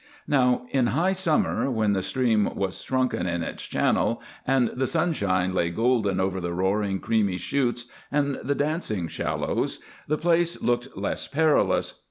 Now, in high summer, when the stream was shrunken in its channel and the sunshine lay golden over the roaring, creamy chutes and the dancing shallows, the place looked less perilous.